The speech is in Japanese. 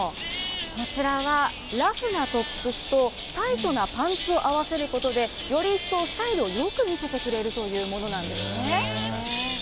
こちらはラフなトップスとタイトなパンツを合わせることで、より一層、スタイルをよく見せてくれるというものなんですね。